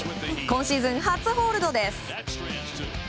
今シーズン初ホールドです。